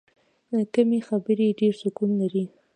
کمې خبرې، ډېر سکون لري.